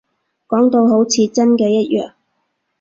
講到好似真嘅一樣